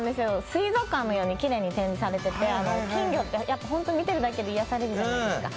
水族館のようにきれいに展示されてて、金魚って見ているだけで癒やされるじゃないですか。